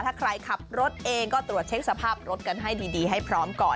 ถ้าใครขับรถเองก็ตรวจเช็คสภาพรถกันให้ดีให้พร้อมก่อน